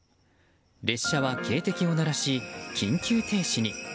列車は警笛を鳴らし緊急停止に。